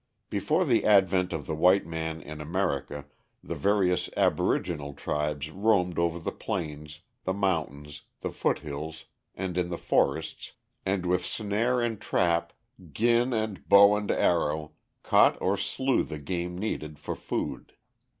Before the advent of the white man in America the various aboriginal tribes roamed over the plains, the mountains, the foothills, and in the forests, and with snare and trap, gin and bow and arrow caught or slew the game needed for food.